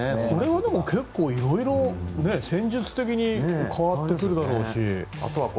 これはでも色々戦術的に変わってくるだろうし。